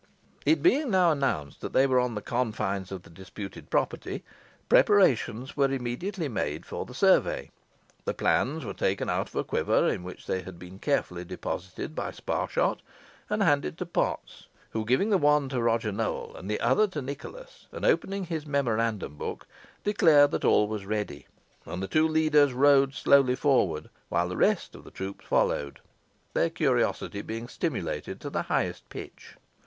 It being now announced that they were on the confines of the disputed property, preparations were immediately made for the survey; the plans were taken out of a quiver, in which they had been carefully deposited by Sparshot, and handed to Potts, who, giving one to Roger Nowell and the other to Nicholas, and opening his memorandum book, declared that all was ready, and the two leaders rode slowly forward, while the rest of the troop followed, their curiosity being stimulated to the highest pitch.